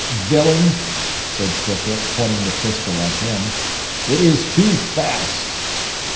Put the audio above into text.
'Villain!' said Scythrop, pointing the pistol at him; 'it is too fast.'